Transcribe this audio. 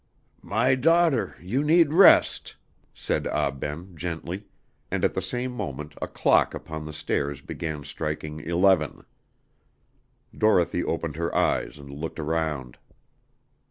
"My daughter, you need rest," said Ah Ben gently, and at the same moment a clock upon the stairs began striking eleven. Dorothy opened her eyes and looked around.